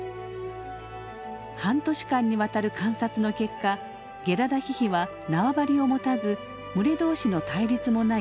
半年間にわたる観察の結果ゲラダヒヒは縄張りを持たず群れ同士の対立もない